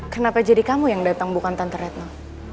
kenapa jadi kamu yang datang bukan tante redmo